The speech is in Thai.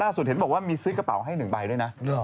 เห็นบอกว่ามีซื้อกระเป๋าให้๑ใบด้วยนะ